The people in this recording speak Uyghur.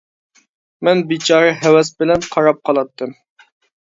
مەن بىچارە ھەۋەس بىلەن، قاراپ قالاتتىم.